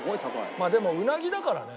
まあでもうなぎだからね。